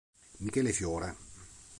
Michele Fiore